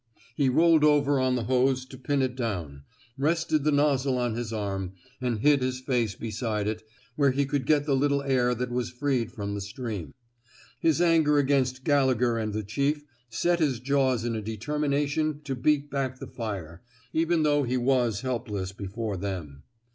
He rolled over on the hose to pin it down, rested the nozzle on his arm, and hid his face beside it where he could get the little air that was freed from the stream. His anger against Gallegher and the chief set his jaws in a determination to beat back the fire, even though he was helpless before them.